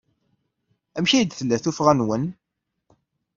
Amek ay d-tella tuffɣa-nwen?